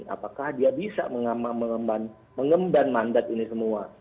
apakah dia bisa mengemban mandat ini semua